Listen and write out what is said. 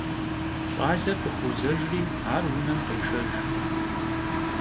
Ş'aler khıxuozejjri ar vunem khêşşejj.